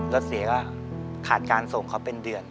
รถเสียขาดส่งเขาเป็นเดือน